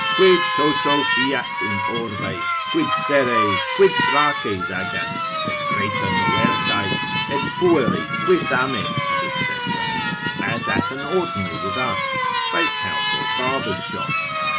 ———quid toto fiat in orbe, Quid Seres, quid Thraces agant, secreta novercae, Et pueri, quis amet, &c. as at an ordinary with us, bakehouse or barber's shop.